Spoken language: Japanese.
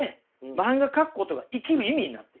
漫画描くことが生きる意味になってるんです。